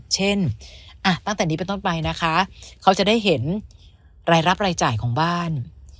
เช่นตั้งแต่นี้เป็นต้นไปนะคะเขาจะได้เห็นรายรับรายจ่ายของบ้าน